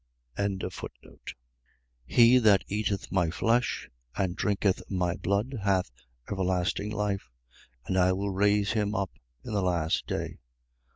6:55. He that eateth my flesh and drinketh my blood hath everlasting life: and I will raise him up in the last day.